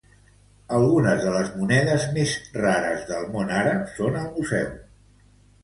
Algunes de les monedes més rares del món àrab són al museu.